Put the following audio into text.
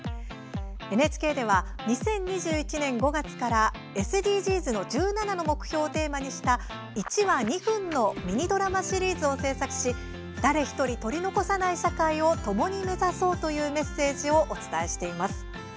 ＮＨＫでは、２０２１年５月からＳＤＧｓの１７の目標をテーマにした１話２分のミニドラマシリーズを制作し「誰一人取り残さない社会」をともに目指そうというメッセージをお伝えしています。